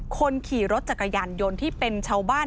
คนขี่รถจักรยานยนต์ที่เป็นชาวบ้าน